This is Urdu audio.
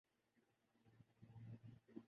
اور آپ کے ساتھ آپ کی ازواج بیٹھی خوش ہو رہی تھیں